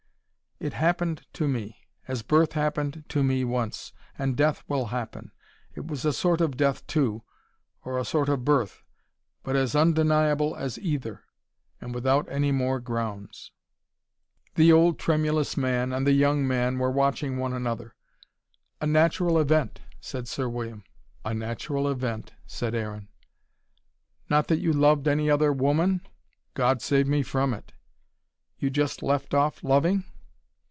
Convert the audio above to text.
"It happened to me: as birth happened to me once and death will happen. It was a sort of death, too: or a sort of birth. But as undeniable as either. And without any more grounds." The old, tremulous man, and the young man were watching one another. "A natural event," said Sir William. "A natural event," said Aaron. "Not that you loved any other woman?" "God save me from it." "You just left off loving?"